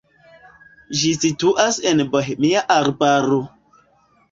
Ĝi situas en Bohemia arbaro.